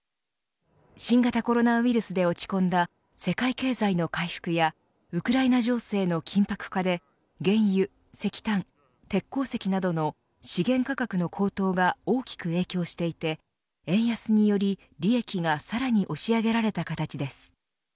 新型コロナウイルスで落ち込んだ世界経済の回復やウクライナ情勢の緊迫化で原油、石炭、鉄鉱石などの資源価格の高騰が大きく影響していて円安により利益がさらに押し上げられた形です。